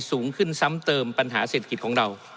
สูงขึ้นซ้ำเติมปัญหาเศรษฐกิจของเรา